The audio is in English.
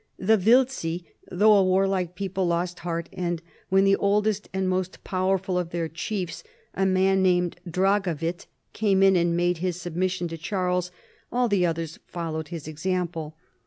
The "Wiltzi, though a warlike people, lost heart, and when the oldest and most powerful of their chiefs, a man named Dragawit, came in and made his sub mission to Charles, all the others followed his ex ample.